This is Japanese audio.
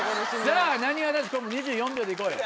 さぁなにわ男子２４秒でいこうよ。